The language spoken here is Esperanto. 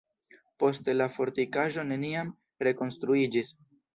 Poste la fortikaĵo neniam rekonstruiĝis.